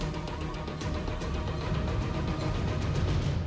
โปรดติดตามตอนต่อไป